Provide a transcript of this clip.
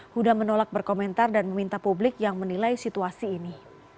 huda menolak berkomentar dan meminta publik yang menilai situasi ini